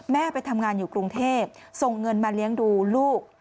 ไปทำงานอยู่กรุงเทพส่งเงินมาเลี้ยงดูลูก